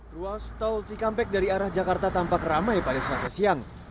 ruas tol cikampek dari arah jakarta tampak ramai pada selasa siang